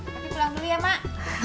tapi pulang beli ya mak